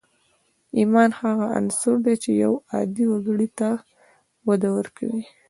ايمان هغه عنصر دی چې يو عادي وګړي ته وده ورکوي.